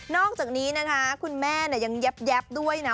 อกจากนี้นะคะคุณแม่ยังแยบด้วยนะ